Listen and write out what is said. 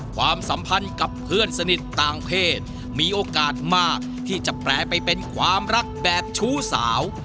ความสัมพันธ์กับเพื่อนสนิทต่างเพศมีโอกาสมากที่จะแปลไปเป็นความรักแบบชู้สาว